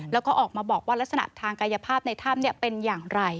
แล้วก็ออกมาบอกว่าลักษณะทางกายภาพในถ้ำเป็นอย่างไร